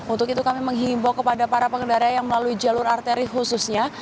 untuk itu kami menghimbau kepada para pengendara yang melalui jalur arteri khususnya